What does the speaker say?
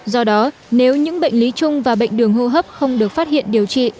do đó nếu những bệnh lý chung và bệnh đường hô hấp không được phát hiện điều trị